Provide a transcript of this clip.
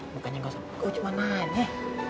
bukannya gak sopan kau cuman nanya